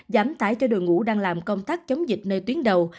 giảm tải cho đội ngũ đang làm công tác chống dịch nơi tuyến đầu